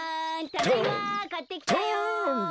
ただいまかってきたよ。